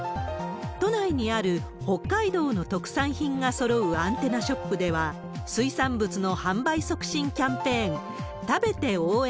都内にある北海道の特産品がそろうアンテナショップでは、水産物の販売促進キャンペーン、食べて応援！